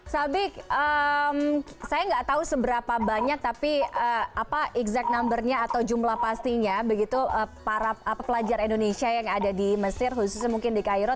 sabik saya nggak tahu seberapa banyak tapi exact numbernya atau jumlah pastinya begitu para pelajar indonesia yang ada di mesir khususnya mungkin di cairo